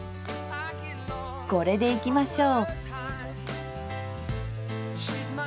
これでいきましょう。